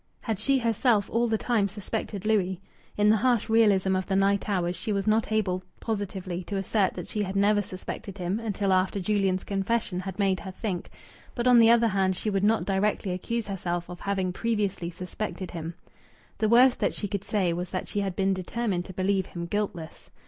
Had she herself all the time suspected Louis? In the harsh realism of the night hours she was not able positively to assert that she had never suspected him until after Julian's confession had made her think; but, on the other hand, she would not directly accuse herself of having previously suspected him. The worst that she could say was that she had been determined to believe him guiltless.